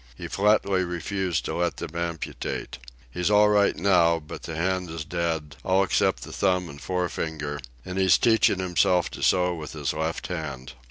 He flatly refused to let them amputate. He's all right now, but the hand is dead, all except the thumb and fore finger, and he's teaching himself to sew with his left hand.